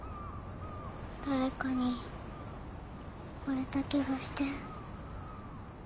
誰かに呼ばれた気がして。